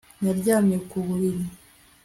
Naryamye ku buriri